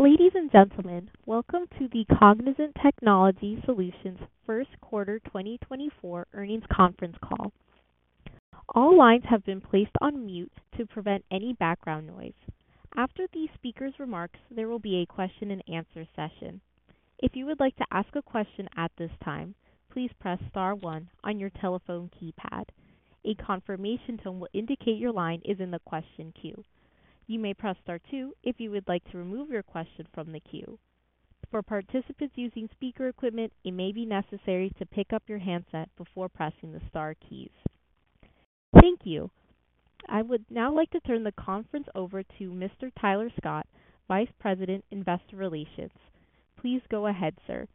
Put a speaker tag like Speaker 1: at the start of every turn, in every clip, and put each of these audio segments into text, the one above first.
Speaker 1: Ladies and gentlemen, welcome to the Cognizant Technology Solutions first quarter 2024 earnings conference call. All lines have been placed on mute to prevent any background noise. After the speaker's remarks, there will be a question and answer session. If you would like to ask a question at this time, please press star one on your telephone keypad. A confirmation tone will indicate your line is in the question queue. You may press star two if you would like to remove your question from the queue. For participants using speaker equipment, it may be necessary to pick up your handset before pressing the star keys. Thank you. I would now like to turn the conference over to Mr. Tyler Scott, Vice President, Investor Relations. Please go ahead, sir.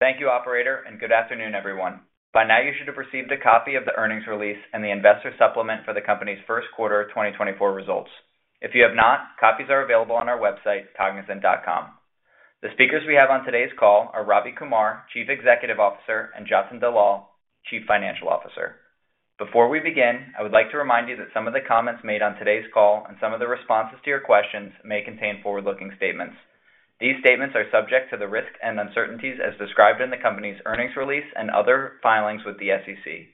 Speaker 2: Thank you, Operator, and good afternoon, everyone. By now, you should have received a copy of the earnings release and the investor supplement for the company's first quarter 2024 results. If you have not, copies are available on our website, cognizant.com. The speakers we have on today's call are Ravi Kumar, Chief Executive Officer, and Jatin Dalal, Chief Financial Officer. Before we begin, I would like to remind you that some of the comments made on today's call and some of the responses to your questions may contain forward-looking statements. These statements are subject to the risks and uncertainties as described in the company's earnings release and other filings with the SEC.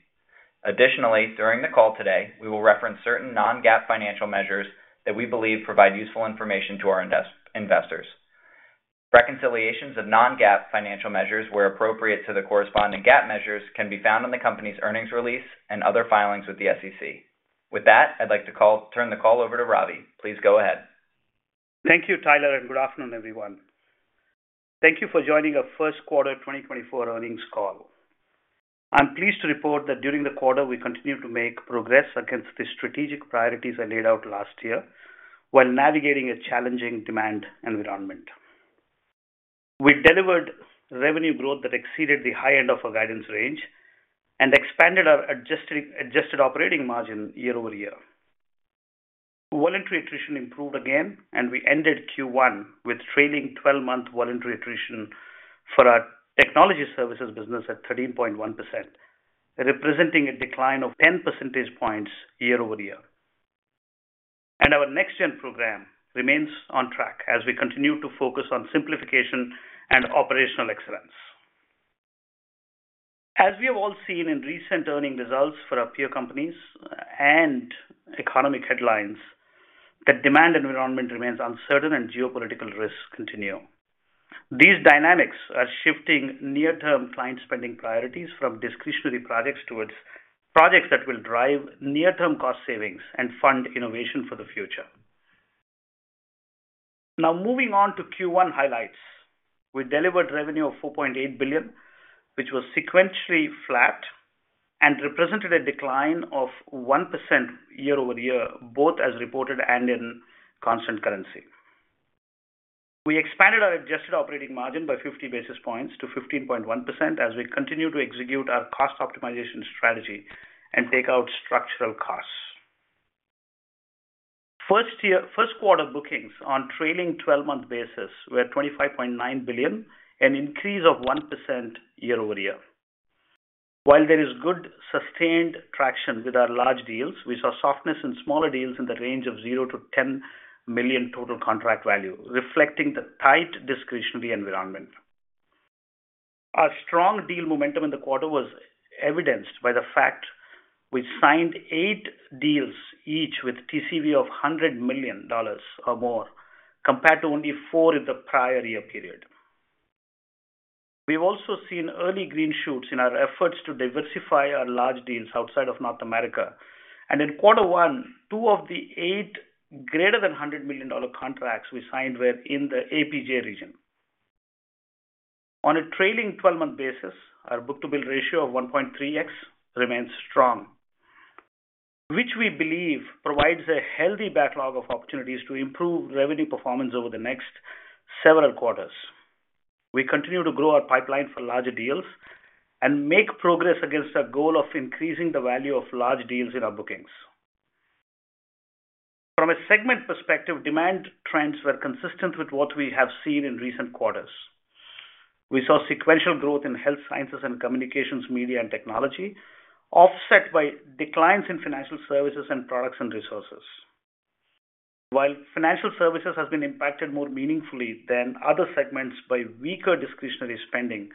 Speaker 2: Additionally, during the call today, we will reference certain non-GAAP financial measures that we believe provide useful information to our investors. Reconciliations of non-GAAP financial measures, where appropriate to the corresponding GAAP measures, can be found in the company's earnings release and other filings with the SEC. With that, I'd like to turn the call over to Ravi. Please go ahead.
Speaker 3: Thank you, Tyler, and good afternoon, everyone. Thank you for joining our first quarter 2024 earnings call. I'm pleased to report that during the quarter, we continued to make progress against the strategic priorities I laid out last year while navigating a challenging demand environment. We delivered revenue growth that exceeded the high end of our guidance range and expanded our adjusting, adjusted operating margin year-over-year. Voluntary attrition improved again, and we ended Q1 with trailing twelve-month voluntary attrition for our technology services business at 13.1%, representing a decline of 10 percentage points year-over-year. Our NextGen program remains on track as we continue to focus on simplification and operational excellence. As we have all seen in recent earnings results for our peer companies and economic headlines, the demand environment remains uncertain and geopolitical risks continue. These dynamics are shifting near-term client spending priorities from discretionary projects towards projects that will drive near-term cost savings and fund innovation for the future. Now, moving on to Q1 highlights. We delivered revenue of $4.8 billion, which was sequentially flat and represented a decline of 1% year-over-year, both as reported and in constant currency. We expanded our adjusted operating margin by 50 basis points to 15.1% as we continue to execute our cost optimization strategy and take out structural costs. First quarter bookings on trailing twelve-month basis were $25.9 billion, an increase of 1% year-over-year. While there is good sustained traction with our large deals, we saw softness in smaller deals in the range of $0-$10 million total contract value, reflecting the tight discretionary environment. Our strong deal momentum in the quarter was evidenced by the fact we signed 8 deals, each with TCV of $100 million or more, compared to only 4 in the prior year period. We've also seen early green shoots in our efforts to diversify our large deals outside of North America, and in quarter one, 2 of the 8 greater than $100 million contracts we signed were in the APJ region. On a trailing twelve-month basis, our book-to-bill ratio of 1.3x remains strong, which we believe provides a healthy backlog of opportunities to improve revenue performance over the next several quarters. We continue to grow our pipeline for larger deals and make progress against our goal of increasing the value of large deals in our bookings. From a segment perspective, demand trends were consistent with what we have seen in recent quarters. We saw sequential growth in health sciences and communications, media and technology, offset by declines in financial services and products and resources. While financial services has been impacted more meaningfully than other segments by weaker discretionary spending,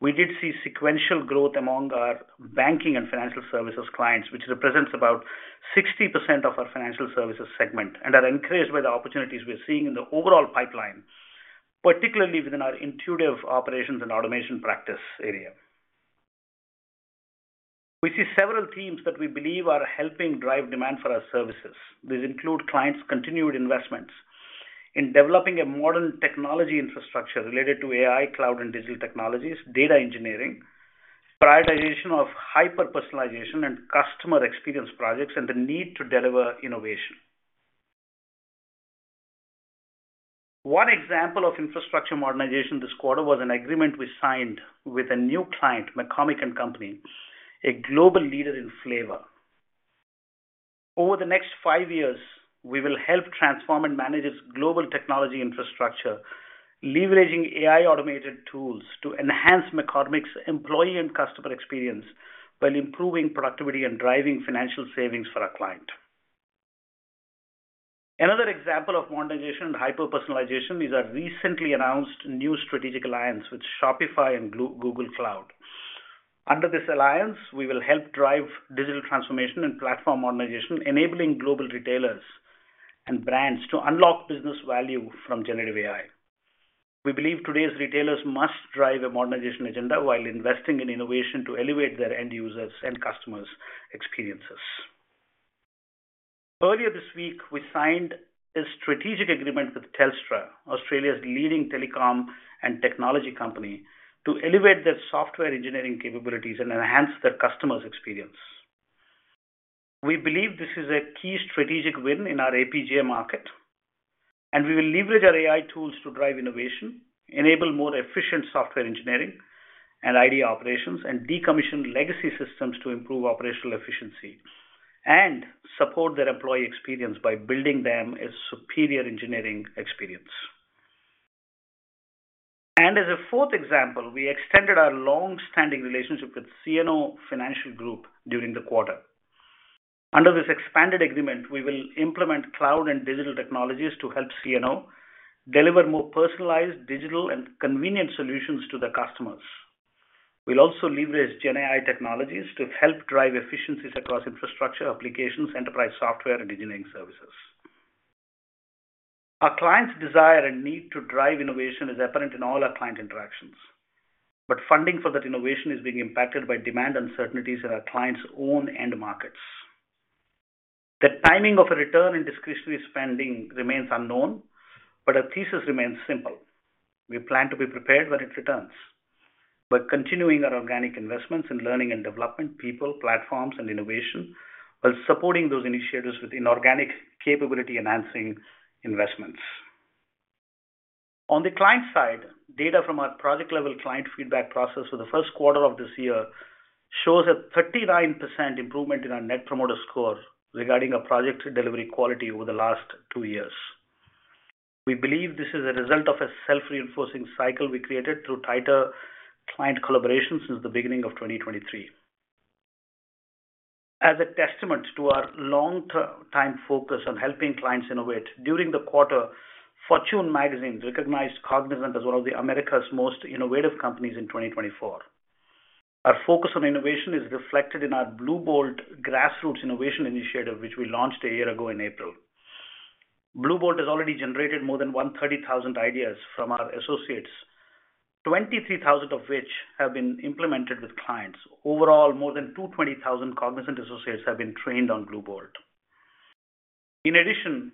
Speaker 3: we did see sequential growth among our banking and financial services clients, which represents about 60% of our financial services segment and are encouraged by the opportunities we're seeing in the overall pipeline, particularly within our intuitive operations and automation practice area. We see several themes that we believe are helping drive demand for our services. These include clients' continued investments in developing a modern technology infrastructure related to AI, cloud and digital technologies, data engineering, prioritization of hyper-personalization and customer experience projects, and the need to deliver innovation. One example of infrastructure modernization this quarter was an agreement we signed with a new client, McCormick & Company, a global leader in flavor. Over the next five years, we will help transform and manage its global technology infrastructure, leveraging AI automated tools to enhance McCormick's employee and customer experience, while improving productivity and driving financial savings for our client. Another example of modernization and hyper-personalization is our recently announced new strategic alliance with Shopify and Google Cloud. Under this alliance, we will help drive digital transformation and platform modernization, enabling global retailers and brands to unlock business value from generative AI. We believe today's retailers must drive a modernization agenda while investing in innovation to elevate their end users' and customers' experiences. Earlier this week, we signed a strategic agreement with Telstra, Australia's leading telecom and technology company, to elevate their software engineering capabilities and enhance their customers' experience. We believe this is a key strategic win in our APJ market, and we will leverage our AI tools to drive innovation, enable more efficient software engineering and IT operations, and decommission legacy systems to improve operational efficiency, and support their employee experience by building them a superior engineering experience. As a fourth example, we extended our long-standing relationship with CNO Financial Group during the quarter. Under this expanded agreement, we will implement cloud and digital technologies to help CNO deliver more personalized, digital, and convenient solutions to their customers. We'll also leverage GenAI technologies to help drive efficiencies across infrastructure, applications, enterprise software, and engineering services. Our clients' desire and need to drive innovation is apparent in all our client interactions, but funding for that innovation is being impacted by demand uncertainties in our clients' own end markets. The timing of a return in discretionary spending remains unknown, but our thesis remains simple: We plan to be prepared when it returns. We're continuing our organic investments in learning and development, people, platforms, and innovation, while supporting those initiatives with inorganic capability-enhancing investments. On the client side, data from our project-level client feedback process for the first quarter of this year shows a 39% improvement in our Net Promoter Score regarding our project delivery quality over the last two years. We believe this is a result of a self-reinforcing cycle we created through tighter client collaboration since the beginning of 2023. As a testament to our long-term time focus on helping clients innovate, during the quarter, Fortune Media recognized Cognizant as one of America's most innovative companies in 2024. Our focus on innovation is reflected in our Bluebolt grassroots innovation initiative, which we launched a year ago in April. Bluebolt has already generated more than 130,000 ideas from our associates, 23,000 of which have been implemented with clients. Overall, more than 220,000 Cognizant associates have been trained on Bluebolt. In addition,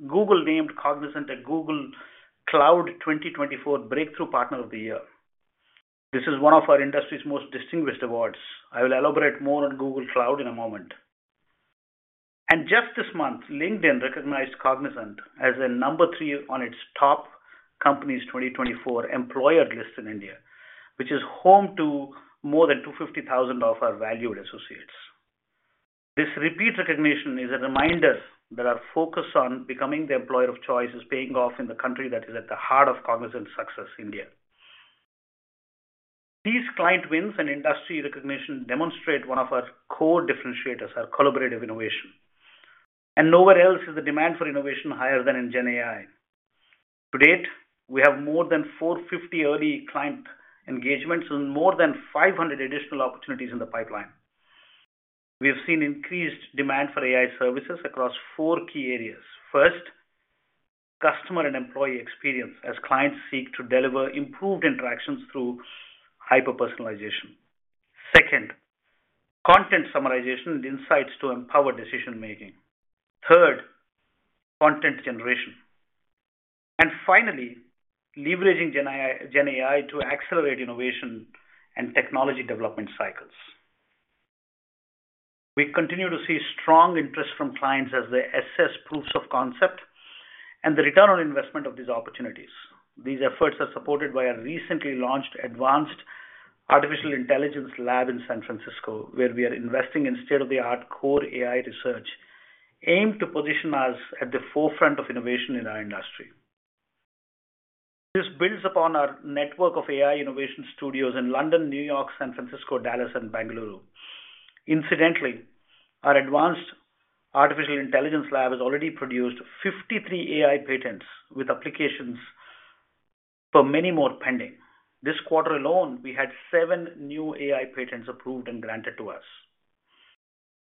Speaker 3: Google named Cognizant a Google Cloud 2024 Breakthrough Partner of the Year. This is one of our industry's most distinguished awards. I will elaborate more on Google Cloud in a moment. Just this month, LinkedIn recognized Cognizant as number 3 on its Top Companies 2024 employer list in India, which is home to more than 250,000 of our valued associates. This repeat recognition is a reminder that our focus on becoming the employer of choice is paying off in the country that is at the heart of Cognizant's success, India. These client wins and industry recognition demonstrate one of our core differentiators, our collaborative innovation, and nowhere else is the demand for innovation higher than in GenAI. To date, we have more than 450 early client engagements and more than 500 additional opportunities in the pipeline. We have seen increased demand for AI services across four key areas. First, customer and employee experience, as clients seek to deliver improved interactions through hyper-personalization. Second, content summarization and insights to empower decision-making. Third, content generation. And finally, leveraging GenAI, GenAI to accelerate innovation and technology development cycles. We continue to see strong interest from clients as they assess proofs of concept and the return on investment of these opportunities. These efforts are supported by our recently launched Advanced Artificial Intelligence Lab in San Francisco, where we are investing in state-of-the-art core AI research, aimed to position us at the forefront of innovation in our industry. This builds upon our network of AI innovation studios in London, New York, San Francisco, Dallas, and Bengaluru. Incidentally, our Advanced Artificial Intelligence Lab has already produced 53 AI patents, with applications for many more pending. This quarter alone, we had 7 new AI patents approved and granted to us.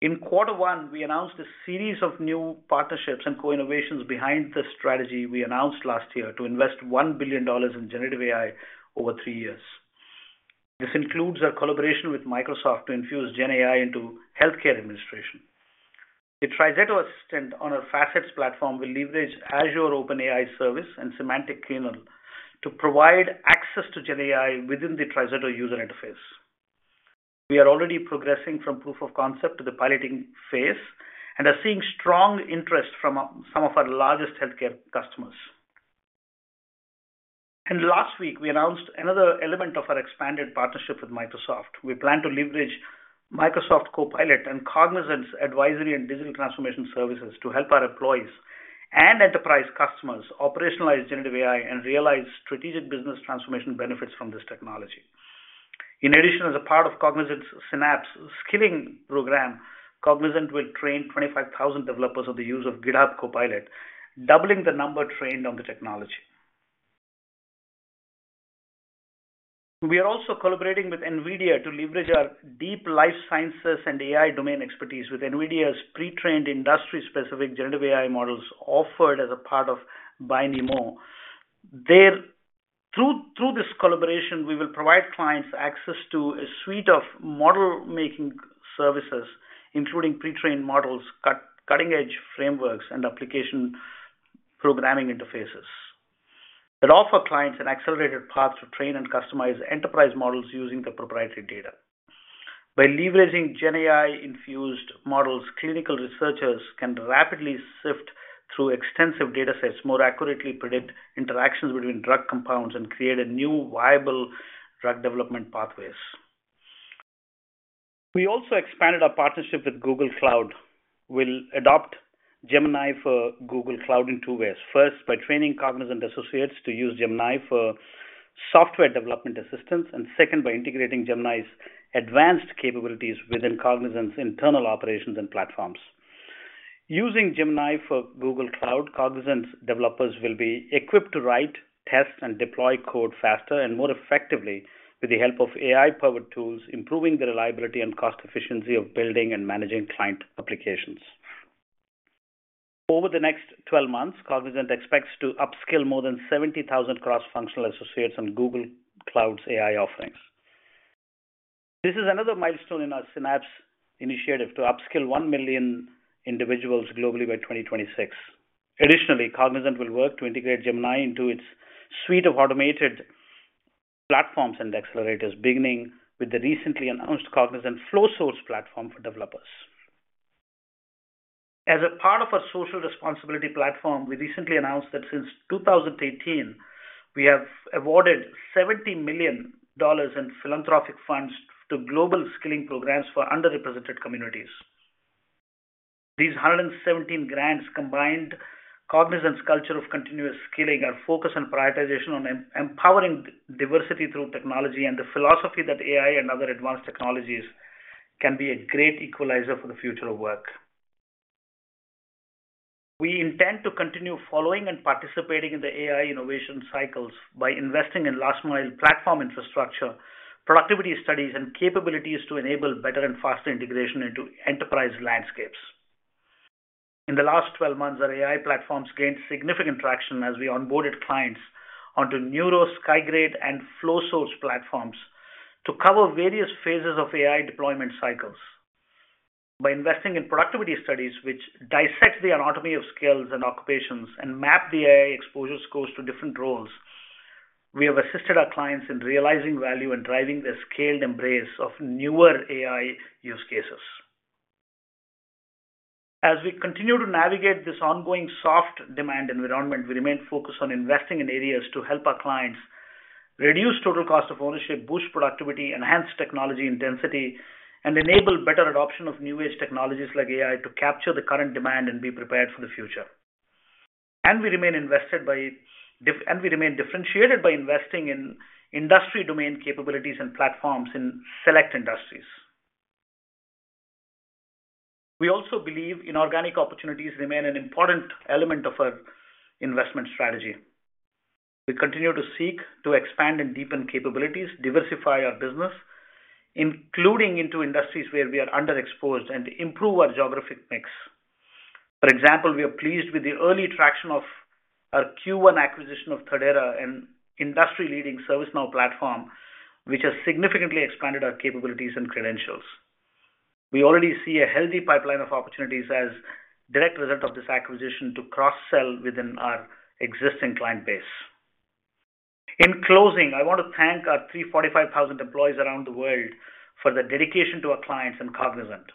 Speaker 3: In quarter one, we announced a series of new partnerships and co-innovations behind the strategy we announced last year to invest $1 billion in generative AI over 3 years. This includes our collaboration with Microsoft to infuse GenAI into healthcare administration. The TriZetto Assistant on our Facets platform will leverage Azure OpenAI Service and Semantic Kernel to provide access to GenAI within the TriZetto user interface. We are already progressing from proof of concept to the piloting phase and are seeing strong interest from some of our largest healthcare customers. Last week, we announced another element of our expanded partnership with Microsoft. We plan to leverage Microsoft Copilot and Cognizant's advisory and digital transformation services to help our employees and enterprise customers operationalize generative AI and realize strategic business transformation benefits from this technology. In addition, as a part of Cognizant's Synapse skilling program, Cognizant will train 25,000 developers on the use of GitHub Copilot, doubling the number trained on the technology. We are also collaborating with NVIDIA to leverage our deep life sciences and AI domain expertise with NVIDIA's pre-trained, industry-specific generative AI models offered as a part of BioNeMo. There, through this collaboration, we will provide clients access to a suite of model-making services, including pre-trained models, cutting-edge frameworks, and application programming interfaces, that offer clients an accelerated path to train and customize enterprise models using their proprietary data. By leveraging GenAI-infused models, clinical researchers can rapidly sift through extensive datasets, more accurately predict interactions between drug compounds, and create a new viable drug development pathways. We also expanded our partnership with Google Cloud. We'll adopt Gemini for Google Cloud in two ways. First, by training Cognizant associates to use Gemini for software development assistance, and second, by integrating Gemini's advanced capabilities within Cognizant's internal operations and platforms. Using Gemini for Google Cloud, Cognizant's developers will be equipped to write, test, and deploy code faster and more effectively with the help of AI-powered tools, improving the reliability and cost efficiency of building and managing client applications. Over the next 12 months, Cognizant expects to upskill more than 70,000 cross-functional associates on Google Cloud's AI offerings. This is another milestone in our Synapse initiative to upskill 1 million individuals globally by 2026. Additionally, Cognizant will work to integrate Gemini into its suite of automated platforms and accelerators, beginning with the recently announced Cognizant Flowsource platform for developers. As a part of our social responsibility platform, we recently announced that since 2018, we have awarded $70 million in philanthropic funds to global skilling programs for underrepresented communities. These 117 grants combined Cognizant's culture of continuous skilling, our focus on prioritization on empowering diversity through technology, and the philosophy that AI and other advanced technologies can be a great equalizer for the future of work. We intend to continue following and participating in the AI innovation cycles by investing in last mile platform infrastructure, productivity studies, and capabilities to enable better and faster integration into enterprise landscapes. In the last 12 months, our AI platforms gained significant traction as we onboarded clients onto Neuro, Skygrade, and Flowsource platforms to cover various phases of AI deployment cycles. By investing in productivity studies, which dissect the anatomy of skills and occupations and map the AI exposure scores to different roles, we have assisted our clients in realizing value and driving the scaled embrace of newer AI use cases. As we continue to navigate this ongoing soft demand environment, we remain focused on investing in areas to help our clients reduce total cost of ownership, boost productivity, enhance technology intensity, and enable better adoption of new-age technologies like AI to capture the current demand and be prepared for the future. And we remain differentiated by investing in industry domain capabilities and platforms in select industries. We also believe inorganic opportunities remain an important element of our investment strategy. We continue to seek to expand and deepen capabilities, diversify our business, including into industries where we are underexposed, and improve our geographic mix. For example, we are pleased with the early traction of our Q1 acquisition of Thirdera, an industry-leading ServiceNow platform, which has significantly expanded our capabilities and credentials. We already see a healthy pipeline of opportunities as a direct result of this acquisition to cross-sell within our existing client base. In closing, I want to thank our 345,000 employees around the world for their dedication to our clients and Cognizant.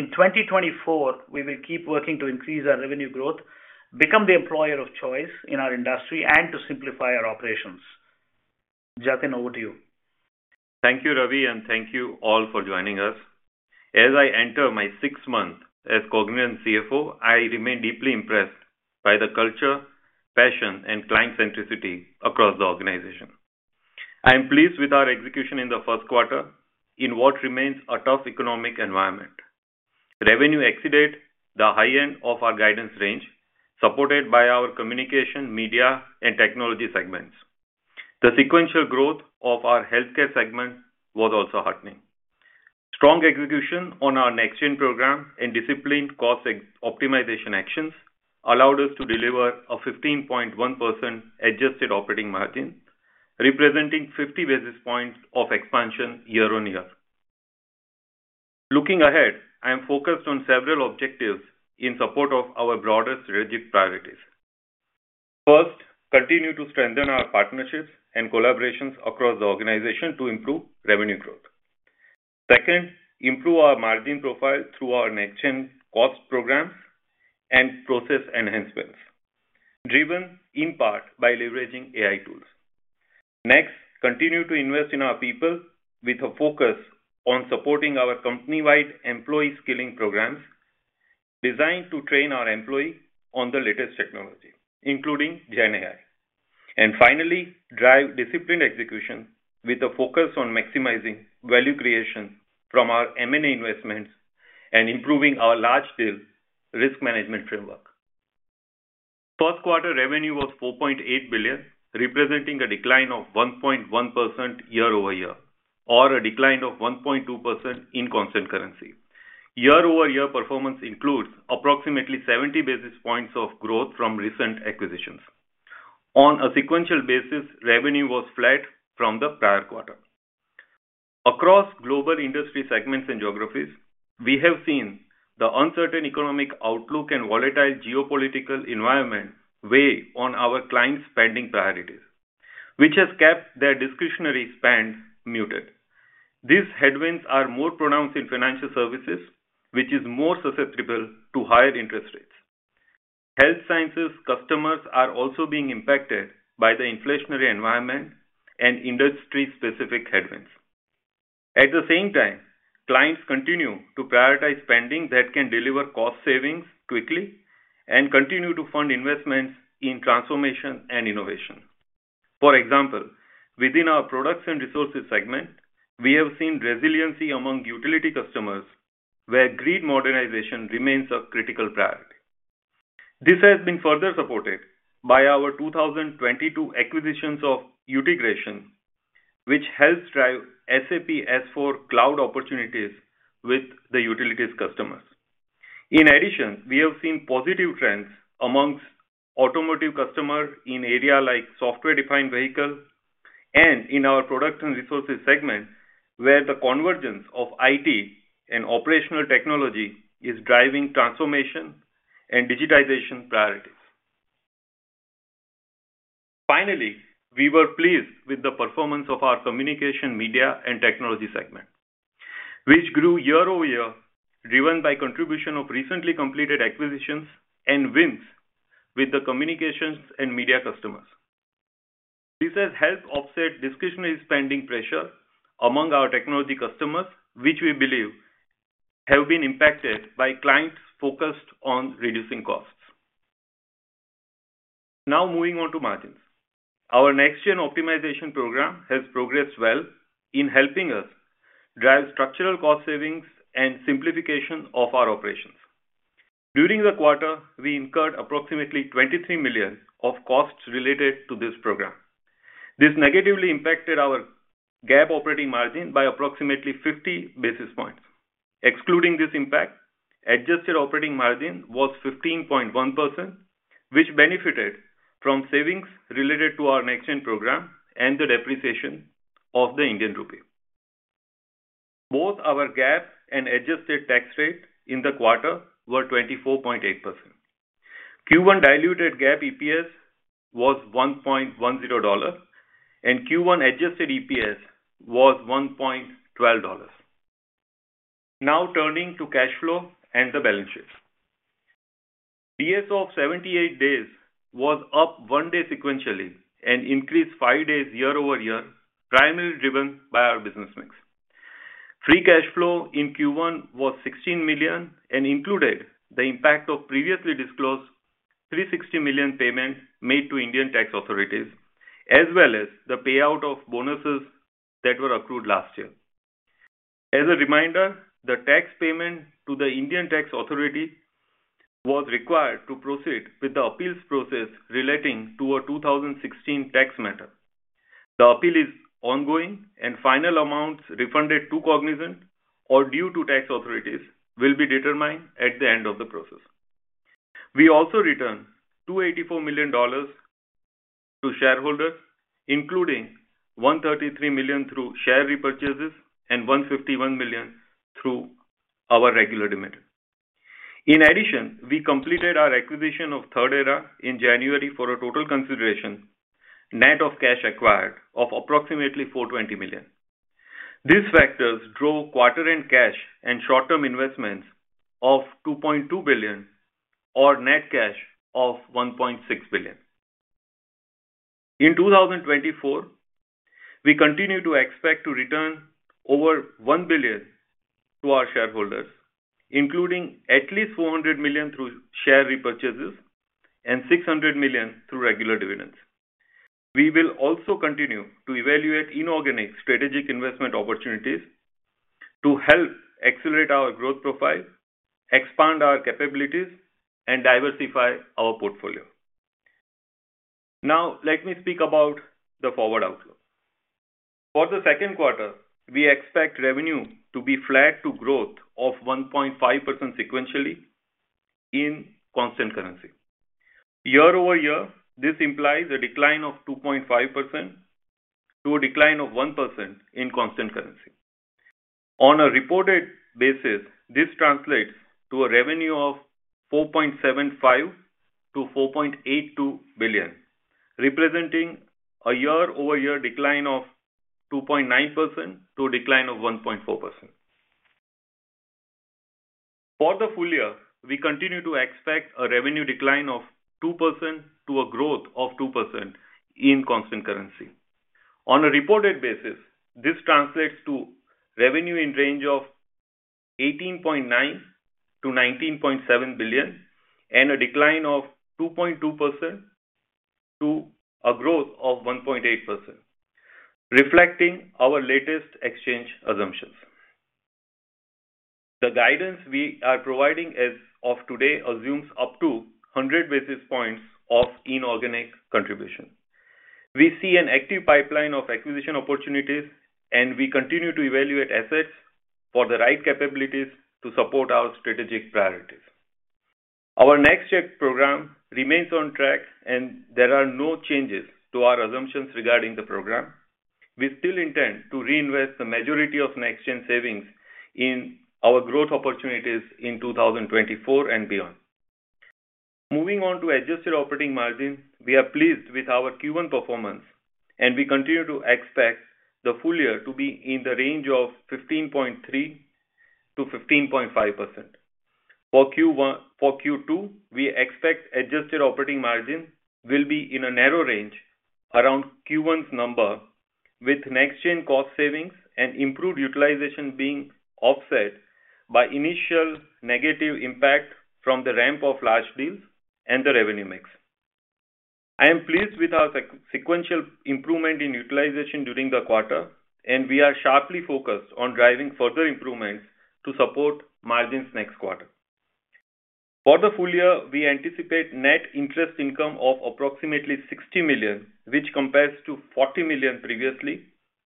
Speaker 3: In 2024, we will keep working to increase our revenue growth, become the employer of choice in our industry, and to simplify our operations. Jatin, over to you.
Speaker 4: Thank you, Ravi, and thank you all for joining us. As I enter my sixth month as Cognizant CFO, I remain deeply impressed by the culture, passion, and client centricity across the organization. I am pleased with our execution in the first quarter in what remains a tough economic environment. Revenue exceeded the high end of our guidance range, supported by our communication, media, and technology segments. The sequential growth of our healthcare segment was also heartening. Strong execution on our NextGen program and disciplined cost optimization actions allowed us to deliver a 15.1% adjusted operating margin, representing 50 basis points of expansion year-on-year. Looking ahead, I am focused on several objectives in support of our broader strategic priorities. First, continue to strengthen our partnerships and collaborations across the organization to improve revenue growth. Second, improve our margin profile through our NextGen cost programs and process enhancements, driven in part by leveraging AI tools. Next, continue to invest in our people with a focus on supporting our company-wide employee skilling programs, designed to train our employee on the latest technology, including GenAI. And finally, drive disciplined execution with a focus on maximizing value creation from our M&A investments and improving our large-scale risk management framework. First quarter revenue was $4.8 billion, representing a decline of 1.1% year-over-year, or a decline of 1.2% in constant currency. Year-over-year performance includes approximately 70 basis points of growth from recent acquisitions. On a sequential basis, revenue was flat from the prior quarter. Across global industry segments and geographies, we have seen the uncertain economic outlook and volatile geopolitical environment weigh on our clients' spending priorities, which has kept their discretionary spend muted. These headwinds are more pronounced in financial services, which is more susceptible to higher interest rates. Health sciences customers are also being impacted by the inflationary environment and industry-specific headwinds. At the same time, clients continue to prioritize spending that can deliver cost savings quickly and continue to fund investments in transformation and innovation. For example, within our products and resources segment, we have seen resiliency among utility customers, where grid modernization remains a critical priority. This has been further supported by our 2022 acquisitions of Utegration, which helps drive SAP S/4 Cloud opportunities with the utilities customers. In addition, we have seen positive trends among automotive customers in areas like software-defined vehicles and in our products and resources segment, where the convergence of IT and operational technology is driving transformation and digitization priorities. Finally, we were pleased with the performance of our communication, media, and technology segment, which grew year-over-year, driven by contribution of recently completed acquisitions and wins with the communications and media customers. This has helped offset discretionary spending pressure among our technology customers, which we believe have been impacted by clients focused on reducing costs. Now, moving on to margins. Our NextGen optimization program has progressed well in helping us drive structural cost savings and simplification of our operations. During the quarter, we incurred approximately $23 million of costs related to this program. This negatively impacted our GAAP operating margin by approximately 50 basis points. Excluding this impact, adjusted operating margin was 15.1%, which benefited from savings related to our NextGen program and the depreciation of the Indian rupee. Both our GAAP and adjusted tax rate in the quarter were 24.8%. Q1 diluted GAAP EPS was $1.10, and Q1 adjusted EPS was $1.12. Now, turning to cash flow and the balance sheet. DSO of 78 days was up 1 day sequentially and increased 5 days year-over-year, primarily driven by our business mix. Free cash flow in Q1 was $16 million and included the impact of previously disclosed $360 million payments made to Indian tax authorities, as well as the payout of bonuses that were accrued last year. As a reminder, the tax payment to the Indian tax authority was required to proceed with the appeals process relating to a 2016 tax matter. The appeal is ongoing, and final amounts refunded to Cognizant or due to tax authorities will be determined at the end of the process. We also returned $284 million to shareholders, including $133 million through share repurchases and $151 million through our regular dividend. In addition, we completed our acquisition of Thirdera in January for a total consideration, net of cash acquired, of approximately $420 million. These factors drove quarter-end cash and short-term investments of $2.2 billion or net cash of $1.6 billion. In 2024, we continue to expect to return over $1 billion to our shareholders, including at least $400 million through share repurchases and $600 million through regular dividends. We will also continue to evaluate inorganic strategic investment opportunities to help accelerate our growth profile, expand our capabilities, and diversify our portfolio. Now, let me speak about the forward outlook. For the second quarter, we expect revenue to be flat to +1.5% growth sequentially in constant currency. Year-over-year, this implies a -2.5% to -1% decline in constant currency. On a reported basis, this translates to a revenue of $4.75 billion-$4.82 billion, representing a year-over-year decline of 2.9% to 1.4%. For the full year, we continue to expect a revenue decline of 2% to a growth of 2% in constant currency. On a reported basis, this translates to revenue in range of $18.9 billion-$19.7 billion, and a decline of 2.2% to a growth of 1.8%, reflecting our latest exchange assumptions. The guidance we are providing as of today assumes up to 100 basis points of inorganic contribution. We see an active pipeline of acquisition opportunities, and we continue to evaluate assets for the right capabilities to support our strategic priorities. Our NextGen program remains on track, and there are no changes to our assumptions regarding the program. We still intend to reinvest the majority of NextGen savings in our growth opportunities in 2024 and beyond. Moving on to adjusted operating margin, we are pleased with our Q1 performance, and we continue to expect the full year to be in the range of 15.3%-15.5%. For Q2, we expect adjusted operating margin will be in a narrow range around Q1's number, with NextGen cost savings and improved utilization being offset by initial negative impact from the ramp of large deals and the revenue mix. I am pleased with our sequential improvement in utilization during the quarter, and we are sharply focused on driving further improvements to support margins next quarter. For the full year, we anticipate net interest income of approximately $60 million, which compares to $40 million previously,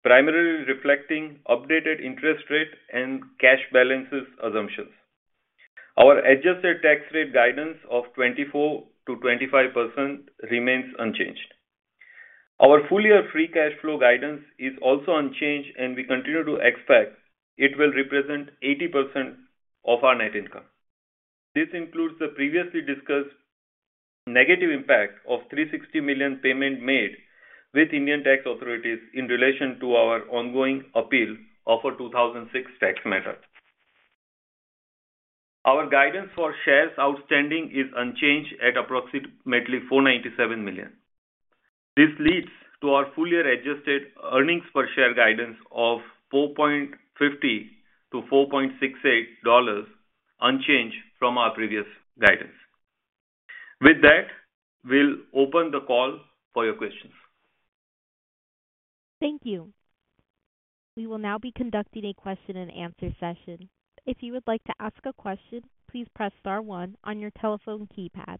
Speaker 4: primarily reflecting updated interest rate and cash balances assumptions. Our adjusted tax rate guidance of 24%-25% remains unchanged. Our full-year free cash flow guidance is also unchanged, and we continue to expect it will represent 80% of our net income. This includes the previously discussed negative impact of $360 million payment made with Indian tax authorities in relation to our ongoing appeal of a 2006 tax matter. Our guidance for shares outstanding is unchanged at approximately $497 million. This leads to our full year adjusted earnings per share guidance of $4.50-$4.68, unchanged from our previous guidance. With that, we'll open the call for your questions.
Speaker 1: Thank you. We will now be conducting a question and answer session. If you would like to ask a question, please press star one on your telephone keypad.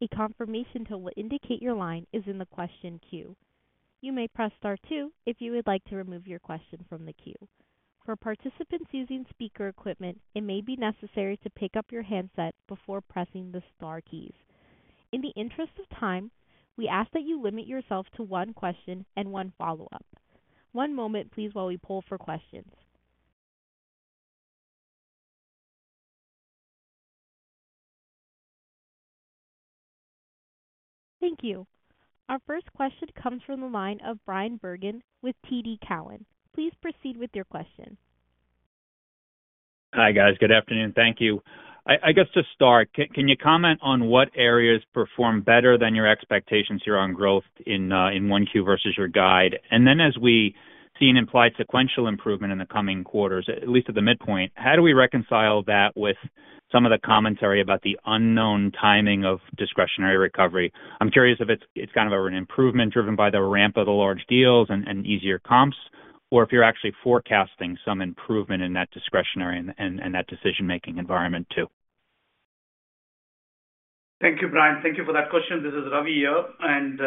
Speaker 1: A confirmation tone will indicate your line is in the question queue. You may press star two if you would like to remove your question from the queue. For participants using speaker equipment, it may be necessary to pick up your handset before pressing the star keys. In the interest of time, we ask that you limit yourself to one question and one follow-up. One moment, please, while we poll for questions. Thank you. Our first question comes from the line of Bryan Bergin with TD Cowen. Please proceed with your question.
Speaker 5: Hi, guys. Good afternoon. Thank you. I guess to start, can you comment on what areas perform better than your expectations here on growth in 1Q versus your guide? And then as we see an implied sequential improvement in the coming quarters, at least at the midpoint, how do we reconcile that with some of the commentary about the unknown timing of discretionary recovery? I'm curious if it's kind of an improvement driven by the ramp of the large deals and easier comps, or if you're actually forecasting some improvement in that discretionary and that decision-making environment, too.
Speaker 3: Thank you, Bryan. Thank you for that question. This is Ravi here, and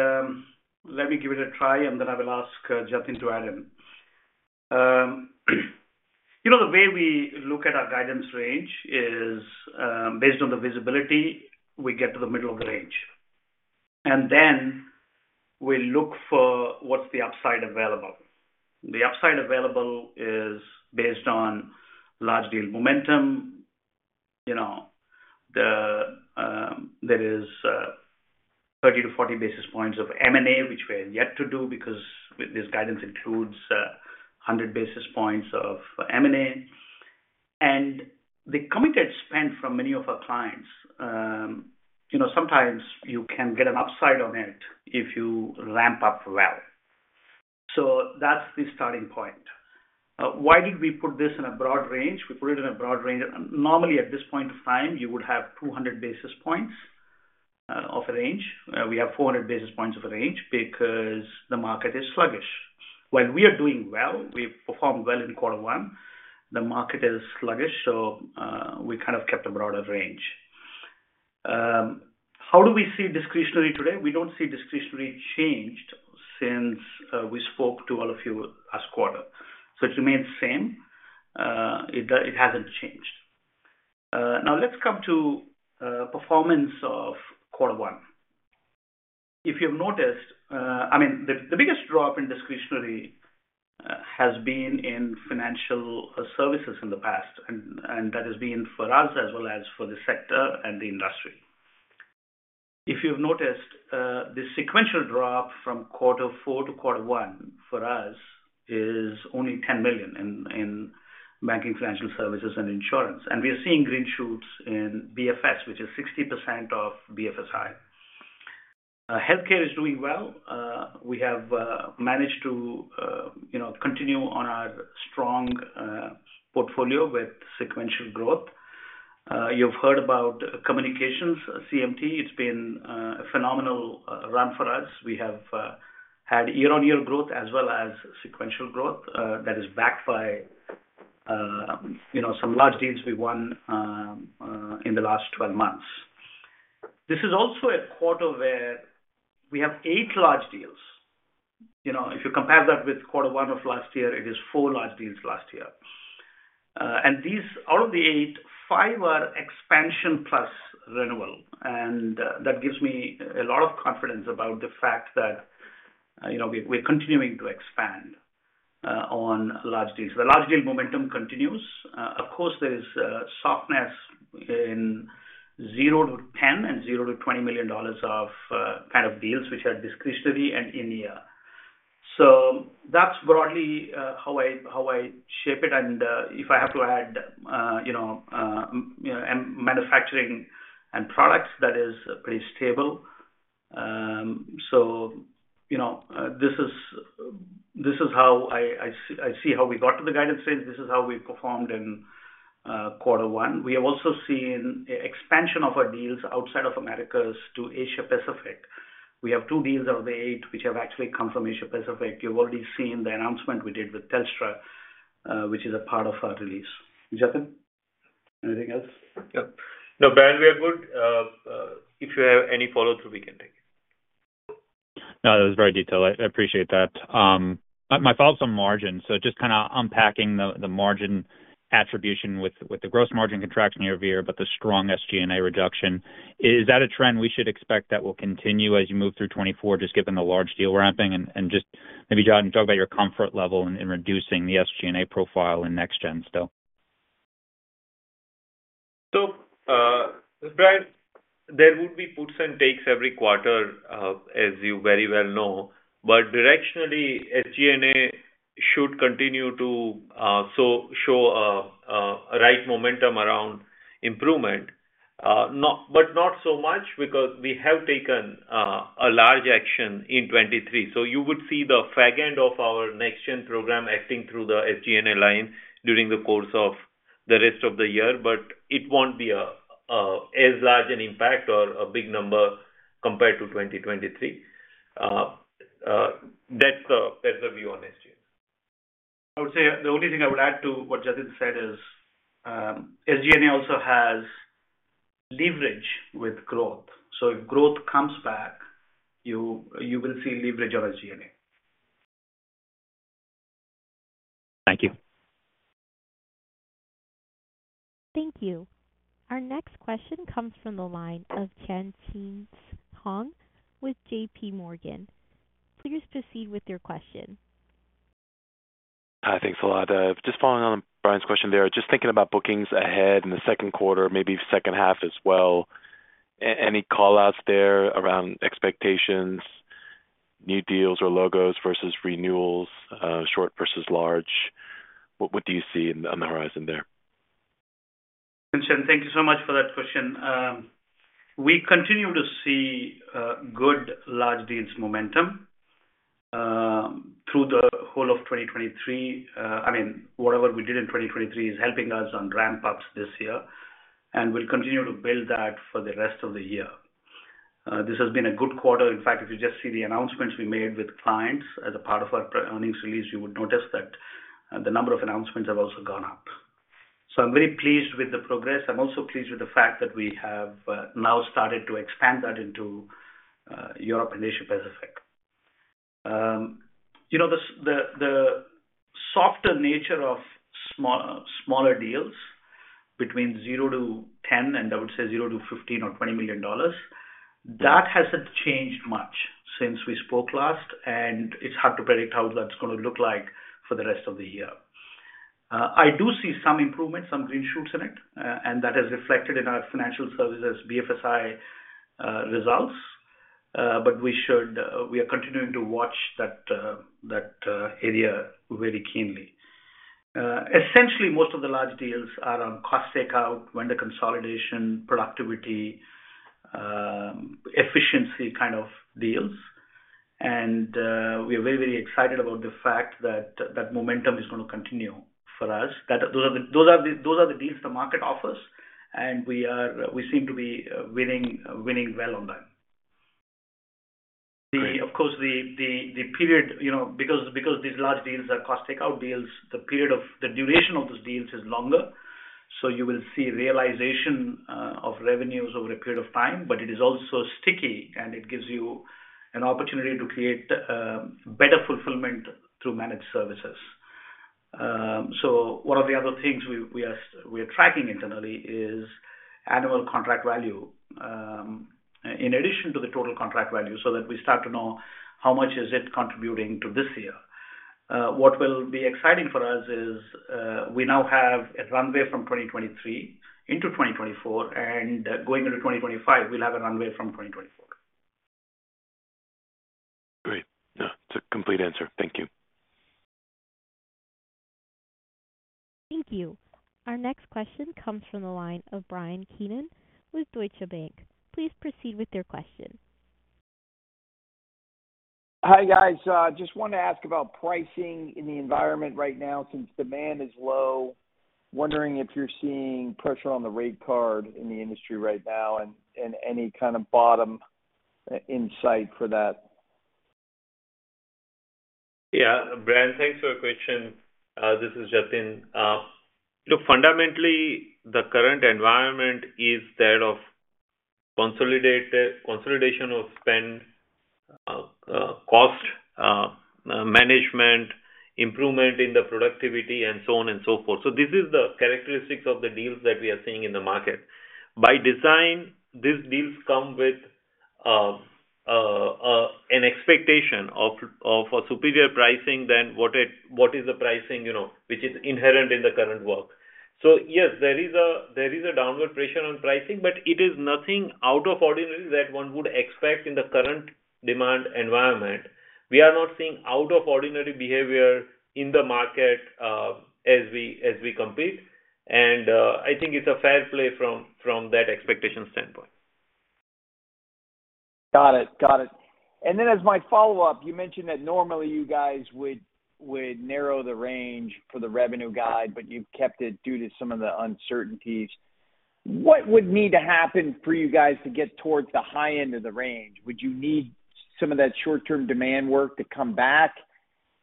Speaker 3: let me give it a try, and then I will ask Jatin to add in. You know, the way we look at our guidance range is based on the visibility we get to the middle of the range, and then we look for what's the upside available. The upside available is based on large deal momentum. You know, there is 30-40 basis points of M&A, which we are yet to do because this guidance includes 100 basis points of M&A. And the committed spend from many of our clients, you know, sometimes you can get an upside on it if you ramp up well. So that's the starting point. Why did we put this in a broad range? We put it in a broad range, and normally at this point of time, you would have 200 basis points of a range. We have 400 basis points of a range because the market is sluggish. While we are doing well, we've performed well in quarter one, the market is sluggish, so we kind of kept a broader range. How do we see discretionary today? We don't see discretionary changed since we spoke to all of you last quarter. So it remains the same. It hasn't changed. Now let's come to performance of quarter one. If you've noticed, I mean, the biggest drop in discretionary has been in financial services in the past, and that has been for us as well as for the sector and the industry. If you've noticed, the sequential drop from quarter four to quarter one for us is only $10 million in banking, financial services, and insurance. And we are seeing green shoots in BFS, which is 60% of BFSI. Healthcare is doing well. We have managed to, you know, continue on our strong portfolio with sequential growth. You've heard about communications, CMT. It's been a phenomenal run for us. We have had year-on-year growth as well as sequential growth that is backed by, you know, some large deals we won in the last 12 months. This is also a quarter where we have 8 large deals. You know, if you compare that with quarter one of last year, it is 4 large deals last year. And these, out of the 8, 5 are expansion plus renewal, and that gives me a lot of confidence about the fact that, you know, we, we're continuing to expand on large deals. The large deal momentum continues. Of course, there is softness in $0-$10 million and $0-$20 million deals, which are discretionary and in year. So that's broadly how I shape it, and if I have to add, you know, manufacturing and products, that is pretty stable. So, you know, this is how I see how we got to the guidance stage. This is how we performed in quarter one. We have also seen expansion of our deals outside of Americas to Asia Pacific. We have 2 deals out of the 8, which have actually come from Asia Pacific. You've already seen the announcement we did with Telstra, which is a part of our release. Jatin, anything else?
Speaker 4: Yep. No, Bryan, we are good. If you have any follow-up, we can take.
Speaker 5: No, it was very detailed. I appreciate that. My follow-up's on margin, so just kinda unpacking the margin attribution with the gross margin contraction year-over-year, but the strong SG&A reduction. Is that a trend we should expect that will continue as you move through 2024, just given the large deal ramping? And just maybe, Jatin, talk about your comfort level in reducing the SG&A profile in NextGen still.
Speaker 4: So, Bryan, there would be puts and takes every quarter, as you very well know. But directionally, SG&A should continue to show upright momentum around improvement. Not so much because we have taken a large action in 2023. So you would see the back end of our NextGen program acting through the SG&A line during the course of the rest of the year, but it won't be as large an impact or a big number compared to 2023. That's the view on SG&A.
Speaker 3: I would say, the only thing I would add to what Jatin said is, SG&A also has leverage with growth. So if growth comes back, you will see leverage on SG&A.
Speaker 5: Thank you.
Speaker 1: Thank you. Our next question comes from the line of Tien-Tsin Huang with JPMorgan. Please proceed with your question.
Speaker 6: Hi, thanks a lot. Just following on Bryan's question there. Just thinking about bookings ahead in the second quarter, maybe second half as well, any call-outs there around expectations, new deals or logos versus renewals, short versus large? What, what do you see on the horizon there?
Speaker 3: Tien-Tsin, thank you so much for that question. We continue to see good large deals momentum through the whole of 2023. I mean, whatever we did in 2023 is helping us on ramp-ups this year, and we'll continue to build that for the rest of the year. This has been a good quarter. In fact, if you just see the announcements we made with clients as a part of our pre-earnings release, you would notice that the number of announcements have also gone up. So I'm very pleased with the progress. I'm also pleased with the fact that we have now started to expand that into Europe and Asia Pacific. You know, the softer nature of small, smaller deals between $0-$10 million, and I would say $0-$15 or $20 million, that hasn't changed much since we spoke last, and it's hard to predict how that's gonna look like for the rest of the year. I do see some improvements, some green shoots in it, and that is reflected in our financial services, BFSI, results. But we should... We are continuing to watch that area very keenly. Essentially, most of the large deals are on cost takeout, vendor consolidation, productivity, efficiency kind of deals. And we are very, very excited about the fact that that momentum is gonna continue for us. That those are the deals the market offers, and we are, we seem to be winning well on them.
Speaker 6: Great.
Speaker 3: Of course, the period, you know, because these large deals are cost takeout deals, the period of the duration of those deals is longer. So you will see realization of revenues over a period of time, but it is also sticky, and it gives you an opportunity to create better fulfillment through managed services. So one of the other things we are tracking internally is annual contract value in addition to the total contract value, so that we start to know how much is it contributing to this year. What will be exciting for us is, we now have a runway from 2023 into 2024, and going into 2025, we'll have a runway from 2024.
Speaker 6: Great. Yeah, it's a complete answer. Thank you.
Speaker 1: Thank you. Our next question comes from the line of Bryan Keane with Deutsche Bank. Please proceed with your question.
Speaker 7: Hi, guys. Just wanted to ask about pricing in the environment right now, since demand is low. Wondering if you're seeing pressure on the rate card in the industry right now and any kind of bottom insight for that?
Speaker 4: Yeah, Bryan, thanks for your question. This is Jatin. Look, fundamentally, the current environment is that of consolidation of spend, cost management, improvement in the productivity and so on and so forth. So this is the characteristics of the deals that we are seeing in the market. By design, these deals come with an expectation of a superior pricing than what is the pricing, you know, which is inherent in the current work. So yes, there is a downward pressure on pricing, but it is nothing out of ordinary that one would expect in the current demand environment. We are not seeing out-of-ordinary behavior in the market, as we compete, and I think it's a fair play from that expectation standpoint.
Speaker 7: Got it. Got it. Then as my follow-up, you mentioned that normally you guys would narrow the range for the revenue guide, but you've kept it due to some of the uncertainties. What would need to happen for you guys to get towards the high end of the range? Would you need some of that short-term demand work to come back?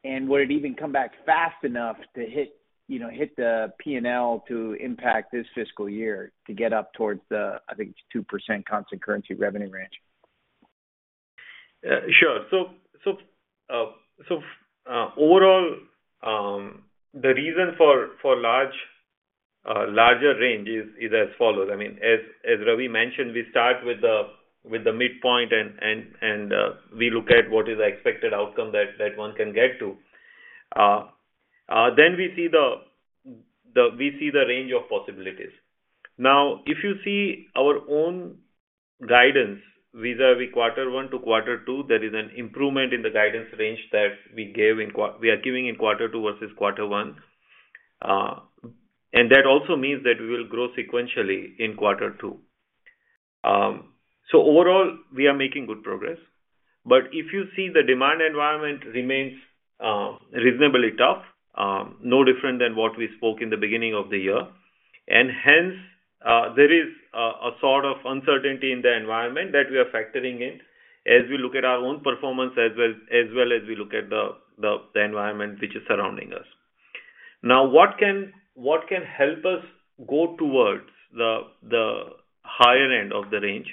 Speaker 7: And would it even come back fast enough to hit, you know, hit the PNL to impact this fiscal year, to get up towards the, I think, 2% constant currency revenue range?
Speaker 4: Sure. So, overall, the reason for larger range is as follows: I mean, as Ravi mentioned, we start with the midpoint and we look at what is the expected outcome that one can get to. Then we see the range of possibilities. Now, if you see our own guidance vis-a-vis quarter one to quarter two, there is an improvement in the guidance range that we are giving in quarter two versus quarter one. And that also means that we will grow sequentially in quarter two. So overall, we are making good progress. But if you see the demand environment remains reasonably tough, no different than what we spoke in the beginning of the year. Hence, there is a sort of uncertainty in the environment that we are factoring in as we look at our own performance, as well as we look at the environment which is surrounding us. Now, what can help us go towards the higher end of the range?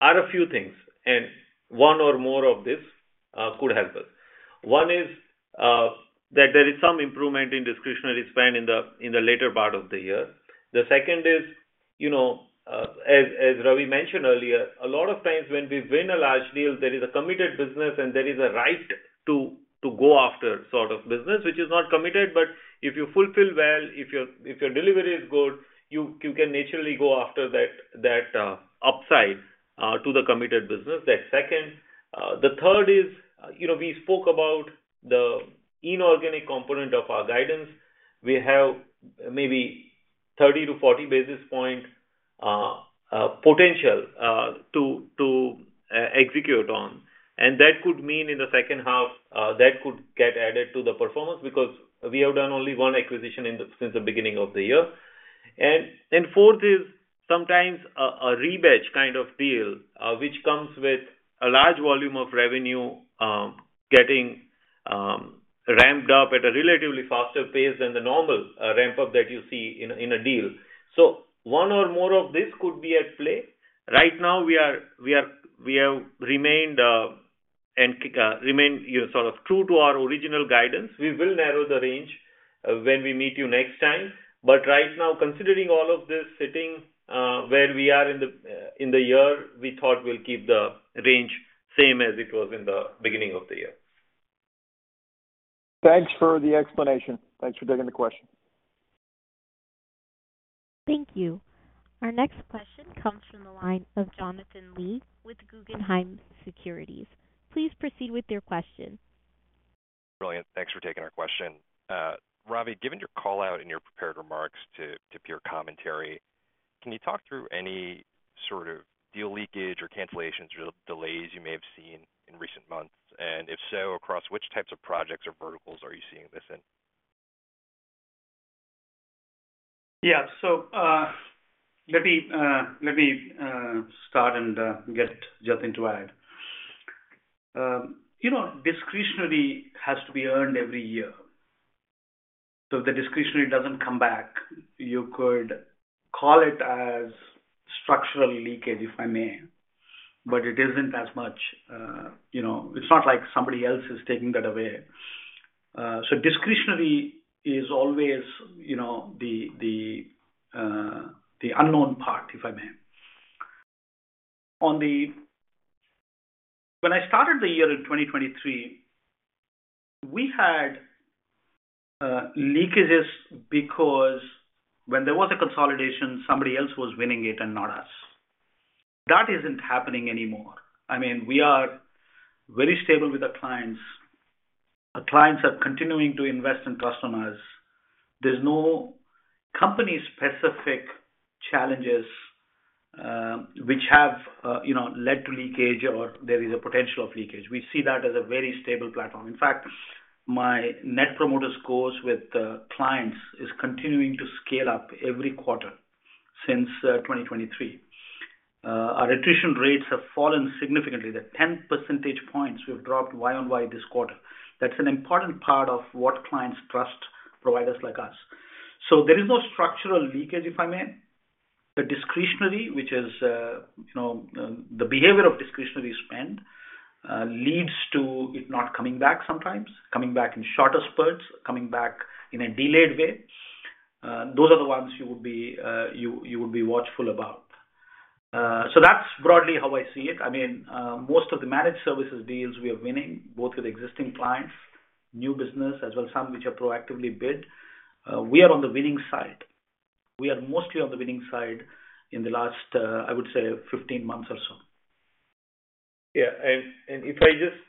Speaker 4: Are a few things, and one or more of this could help us. One is that there is some improvement in discretionary spend in the later part of the year. The second is, you know, as Ravi mentioned earlier, a lot of times when we win a large deal, there is a committed business and there is a right to go after sort of business, which is not committed. But if you fulfill well, if your delivery is good, you can naturally go after that upside to the committed business. That's second. The third is, you know, we spoke about the inorganic component of our guidance. We have maybe 30-40 basis points potential to execute on. And that could mean in the second half, that could get added to the performance because we have done only one acquisition since the beginning of the year. And fourth is sometimes a rebadge kind of deal, which comes with a large volume of revenue getting ramped up at a relatively faster pace than the normal ramp-up that you see in a deal. So one or more of this could be at play. Right now, we have remained, you know, sort of true to our original guidance. We will narrow the range when we meet you next time. But right now, considering all of this, sitting where we are in the year, we thought we'll keep the range same as it was in the beginning of the year.
Speaker 7: Thanks for the explanation. Thanks for taking the question.
Speaker 1: Thank you. Our next question comes from the line of Jonathan Lee with Guggenheim Securities. Please proceed with your question.
Speaker 8: Brilliant. Thanks for taking our question. Ravi, given your call-out in your prepared remarks to peer commentary, can you talk through any sort of deal leakage or cancellations or delays you may have seen in recent months? And if so, across which types of projects or verticals are you seeing this in?
Speaker 3: Yeah. So, let me start and get Jatin to add. You know, discretionary has to be earned every year. So if the discretionary doesn't come back, you could call it as structural leakage, if I may. But it isn't as much, you know, it's not like somebody else is taking that away. So discretionary is always, you know, the unknown part, if I may. On the when I started the year in 2023, we had leakages because when there was a consolidation, somebody else was winning it and not us. That isn't happening anymore. I mean, we are very stable with our clients. Our clients are continuing to invest in customers. There's no company-specific challenges, which have you know led to leakage or there is a potential of leakage. We see that as a very stable platform. In fact, my Net Promoter Scores with the clients is continuing to scale up every quarter since 2023. Our attrition rates have fallen significantly. They're 10 percentage points we've dropped Y on Y this quarter. That's an important part of what clients trust providers like us. So there is no structural leakage, if I may. The discretionary, which is, you know, the behavior of discretionary spend, leads to it not coming back sometimes, coming back in shorter spurts, coming back in a delayed way. Those are the ones you would be, you would be watchful about. So that's broadly how I see it. I mean, most of the managed services deals we are winning, both with existing clients, new business, as well as some which are proactively bid. We are on the winning side. We are mostly on the winning side in the last, I would say, 15 months or so.
Speaker 4: Yeah, and if I just